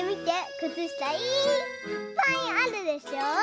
くつしたいっぱいあるでしょ。